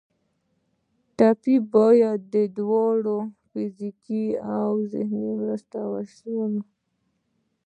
ټپي ته باید دواړه فزیکي او ذهني مرسته ورکړل شي.